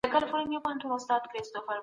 مذهبي لږکي د نړیوالي ټولني بشپړ ملاتړ نه لري.